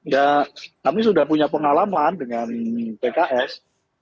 ya kami sudah punya pengalaman dengan pks